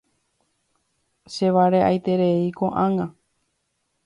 Chevare'aiterei ko'ág̃a.